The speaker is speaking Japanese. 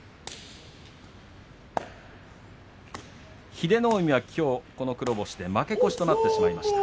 英乃海はきょうこの黒星で負け越しとなってしまいました。